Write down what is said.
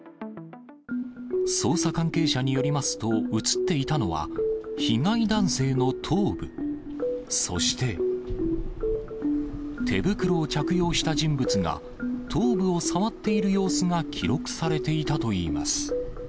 捜査関係者によりますと、写っていたのは、被害男性の頭部、そして、手袋を着用した人物が頭部を触っている様子が記録されていたといいます。